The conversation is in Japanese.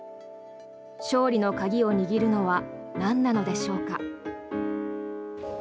勝利の鍵を握るのはなんなのでしょうか。